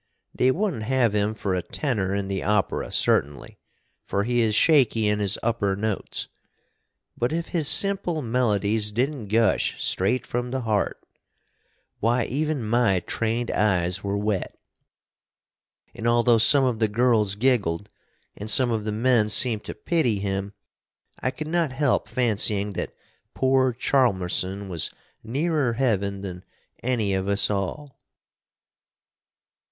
They wouldn't have him for a tenor in the opera, certainly, for he is shaky in his upper notes; but if his simple melodies didn't gush straight from the heart! why, even my trained eyes were wet! And although some of the girls giggled, and some of the men seemed to pity him, I could not help fancying that poor Chalmerson was nearer heaven than any of us all.